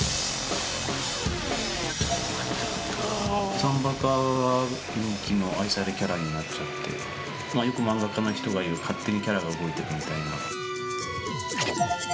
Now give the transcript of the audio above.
３バカは人気の愛されキャラになっちゃってよく漫画家の人が言う勝手にキャラが動いてくみたいな。